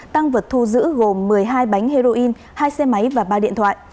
tăng vật thu giữ gồm một mươi hai bánh heroin hai xe máy và ba điện thoại